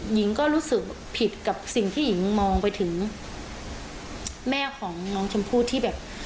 หญิงก็รู้สึกผิดกับสิ่งที่หญิงมองไปถึงแม่ของน้องชมพู่ที่แบบ